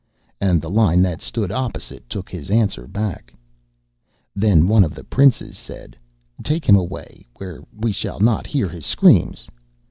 And the line that stood opposite took his answer back. Then one of the Princes said: 'Take him away where we shall not hear his screams.'